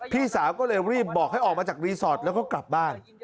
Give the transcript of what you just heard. พี่สาวก็เลยรีบบอกให้ออกมาจากรีสอร์ทแล้วก็กลับบ้าน